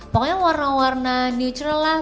pokoknya warna warna natural lah